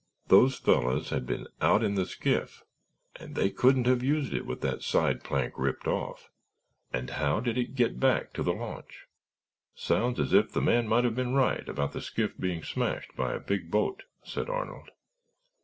Those fellows had been out in the skiff and they couldn't have used it with that side plank ripped off. And how did it get back to the launch?" "Sounds as if the man might have been right about the skiff being smashed by a big boat," said Arnold.